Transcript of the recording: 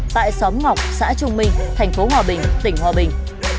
tại xóm ngọc xã trung minh thành phố hòa bình tỉnh hòa bình